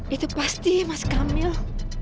itu pasti mas kamil